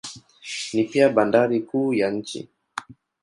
Ni pia bandari kuu ya nchi.